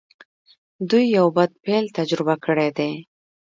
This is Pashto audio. دوی يو بد پيل تجربه کړی دی.